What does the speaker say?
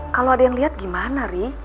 kalau ada yang lihat gimana nih